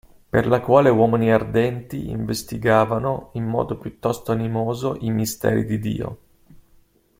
Per la quale uomini ardenti, investigavano, in modo piuttosto animoso i misteri di Dio.